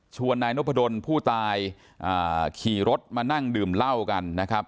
นายนพดลผู้ตายขี่รถมานั่งดื่มเหล้ากันนะครับ